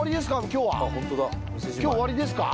今日終わりですか？